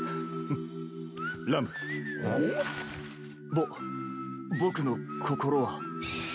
ぼ僕の心は。